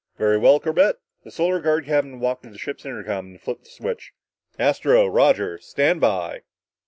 "Very well, Corbett." The Solar Guard captain walked to the ship's intercom and flipped on the switch. "Astro, Roger, stand by!"